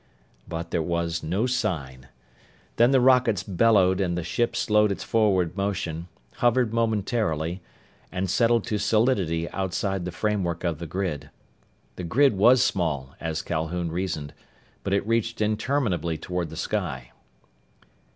But there was no sign. Then the rockets bellowed, and the ship slowed its forward motion, hovered momentarily, and settled to solidity outside the framework of the grid. The grid was small, as Calhoun reasoned. But it reached interminably toward the sky.